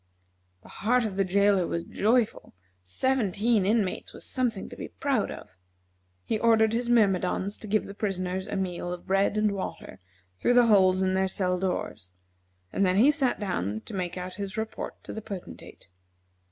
The heart of the jailer was joyful; seventeen inmates was something to be proud of. He ordered his myrmidons to give the prisoners a meal of bread and water through the holes in their cell doors, and then he sat down to make out his report to the Potentate.